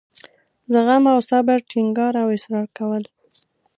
زغم او صبر ټینګار او اصرار کول.